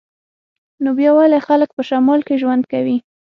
نو بیا ولې خلک په شمال کې ژوند کوي